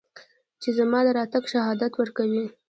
چې زما د راتګ شهادت ورکوي